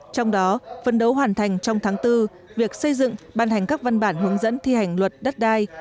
trong đó phân đấu hoàn thành trong tháng bốn việc xây dựng ban hành các văn bản hướng dẫn thi hành luật đất đai